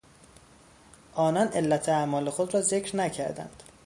آنان علت اعمال خود را ذکر نکردند.